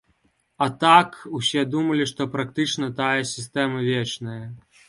А так усе думалі, што практычна тая сістэма вечная.